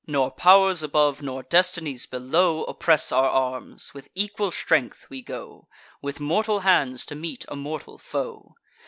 Nor pow'rs above, nor destinies below Oppress our arms: with equal strength we go, With mortal hands to meet a mortal foe.